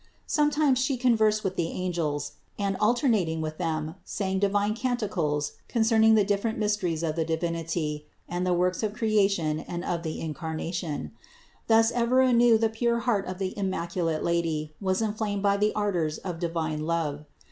Sometimes She conversed with 164 CITY OF GOD the angels and, alternately with them, sang divine canticles concerning the different mysteries of the Divinity and the works of Creation and of the Incarnation. Thus ever anew the pure heart of the immaculate Lady was inflamed by the ardors of divine love.